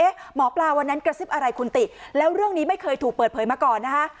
หมอปลาวันนั้นกระซิบอะไรคุณติแล้วเรื่องนี้ไม่เคยถูกเปิดเผยมาก่อนนะคะ